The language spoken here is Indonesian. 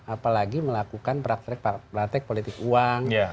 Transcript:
apalagi melakukan praktek praktek politik uang